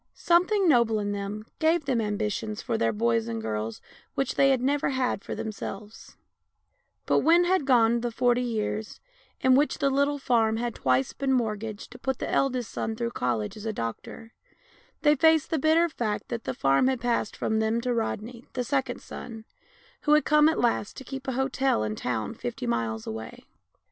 Something noble in them gave them ambitions for their boys and girls which they had never had for themselves ; but when had gone the forty years, in which the little farm had twice been mortgaged to put the eldest son through college as a doctor, they faced the bitter fact that the farm had passed from them to Rodney, the second son, who had come at last to keep a hotel in a town fifty miles away.